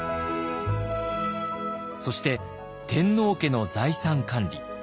そして天皇家の財産管理。